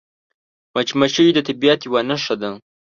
مچمچۍ د طبیعت یوه نښه ده